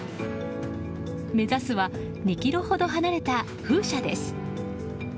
目指すは２ｋｍほど離れた風車です。